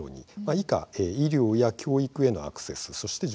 以下、医療や教育へのアクセス男女